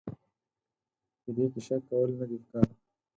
په دې کې شک کول نه دي پکار.